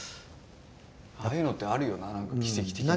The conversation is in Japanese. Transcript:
ああいうのってあるよななんか奇跡的な。